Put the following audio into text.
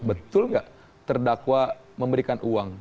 betul nggak terdakwa memberikan uang